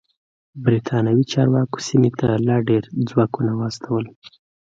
برېتانوي چارواکو سیمې ته لا ډېر ځواکونه واستول.